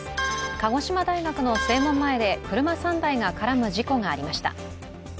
鹿児島大学の正門前で車３台が絡む事故がありました。